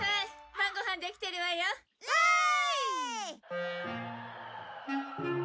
晩ご飯できてるわよ。わい！